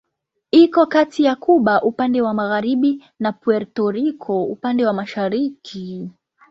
Iko kati ya Kuba upande wa magharibi na Puerto Rico upande wa mashariki.